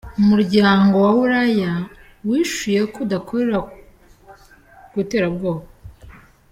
Umuryango wa Buraya wishuye ko udakorera ku terabwoba.